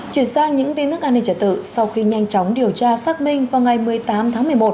chuyển sang những tin tức an ninh trả tự sau khi nhanh chóng điều tra xác minh vào ngày một mươi tám tháng một mươi một